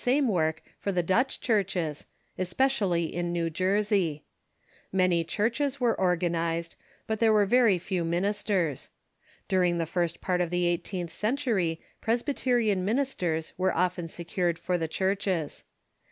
same work for the Dutch churches, especially in Organization i, i • t i JSew Jersey. Many churches were organized, but there were very few ministers. During the first part of the eighteenth century Presbyterian ministers Avere often secured for the churches.